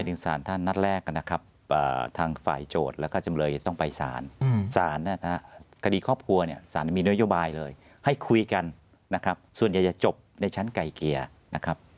สารท่านนัดแรกนะครับทางฝ่ายโจทย์แล้วก็จำเลยจะต้องไปสารสารคดีครอบครัวเนี่ยสารมีนโยบายเลยให้คุยกันนะครับส่วนใหญ่จะจบในชั้นไก่เกลี่ยนะครับ